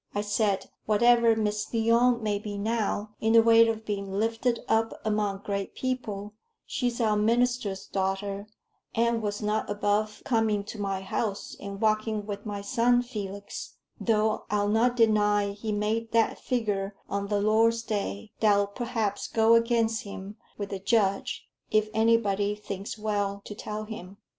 I said, whatever Miss Lyon may be now, in the way of being lifted up among great people, she's our minister's daughter, and was not above coming to my house and walking with my son Felix though I'll not deny he made that figure on the Lord's Day, that'll perhaps go against him with the judge, if anybody thinks well to tell him."